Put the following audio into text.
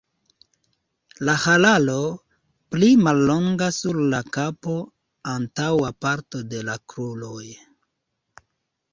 La hararo pli mallonga sur la kapo, antaŭa parto de la kruroj.